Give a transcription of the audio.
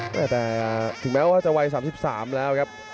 ไม่แต่ถึงแม้ว่าจะไว๓๓แล้วครับ